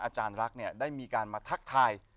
อาจารย์รักได้มีการมาทักทาย